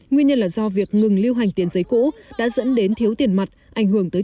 hai nghìn hai mươi ba nguyên nhân là do việc ngừng lưu hành tiền giấy cũ đã dẫn đến thiếu tiền mặt ảnh hưởng tới